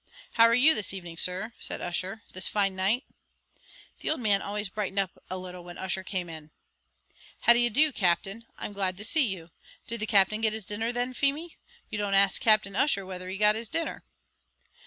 "How are you this evening, Sir?" said Ussher, "this fine night." The old man always brightened up a little when Ussher came in. "How d'ye do, Captain? I'm glad to see you. Did the Captain get his dinner then, Feemy? you don't ask Captain Ussher whether he got his dinner."